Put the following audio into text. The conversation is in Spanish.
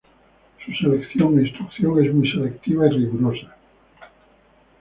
Su selección e instrucción es muy selectiva y rigurosa.